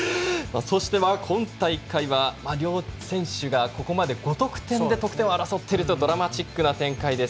そして、今大会は両選手がここまで５得点で得点を争っているというドラマチックな展開です。